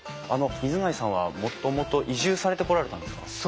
あの水谷さんはもともと移住されてこられたんですか？